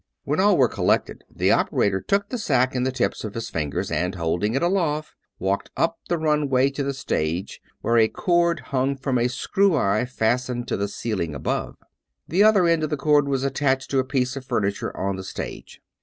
When all were collected, the operator took the sack in the tips of his fingers, and holding it aloft, walked up the runway to the stage where a cord hung from a screw eye fastened in the ceiling above. The other end of the cord was attached to a piece of furniture on the stage.